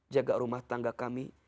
jaga rumah tangga kami